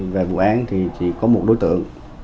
về vụ án thì chỉ có một đối tượng